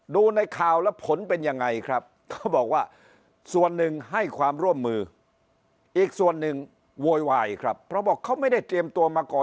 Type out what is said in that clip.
ดูในข่าวแล้วผลเป็นยังไงครับเขาบอกว่าส่วนหนึ่งให้ความร่วมมืออีกส่วนหนึ่งโวยวายครับเพราะบอกเขาไม่ได้เตรียมตัวมาก่อน